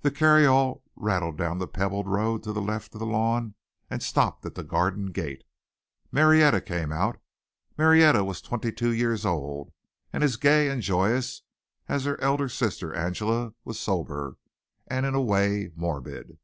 The carryall rattled down the pebble road to the left of the lawn and stopped at the garden gate. Marietta came out. Marietta was twenty two years old, and as gay and joyous as her elder sister Angela was sober and in a way morbid.